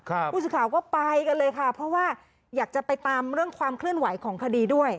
ผู้สื่อข่าวก็ไปกันเลยค่ะเพราะว่าอยากจะไปตามเรื่องความเคลื่อนไหวของคดีด้วย